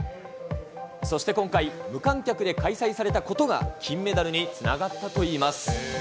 そして今回、無観客で開催されたことが、金メダルにつながったといいます。